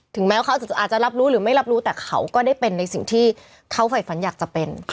แม้ว่าเขาอาจจะรับรู้หรือไม่รับรู้แต่เขาก็ได้เป็นในสิ่งที่เขาฝ่ายฝันอยากจะเป็น